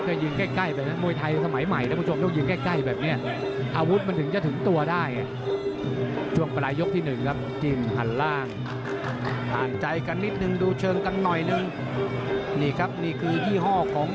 เดี๋ยวใบเหลืองมาก่อน